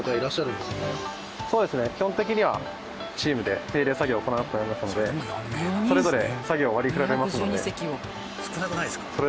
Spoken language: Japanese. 基本的にはチームで定例作業を行っておりますのでそれぞれ作業を割り振られますので。